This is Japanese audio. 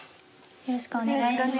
よろしくお願いします。